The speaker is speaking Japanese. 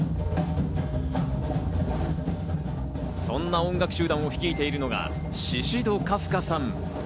そんな音楽集団を率いているのがシシド・カフカさん。